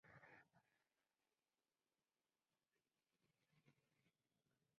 Algorithmic problems related to fairness of the matching have been studied in several contexts.